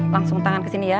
langsung tangan kesini ya